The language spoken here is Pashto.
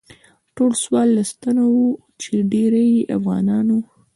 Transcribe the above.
ټول څوارلس تنه شوو چې ډیری یې افغانان وو.